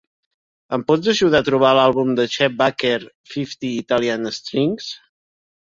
Em pots ajudar a trobar l'àlbum de Chet Baker "Fifty Italian Strings"?